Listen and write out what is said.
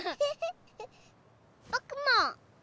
ぼくも！